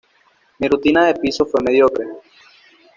Mi rutina de piso fue mediocre.